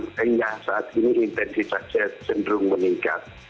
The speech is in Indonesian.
itu hingga saat ini intensitasnya cenderung meningkat